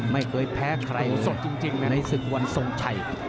ไม่เคยแพ้ใครในศึกวันทรงชัย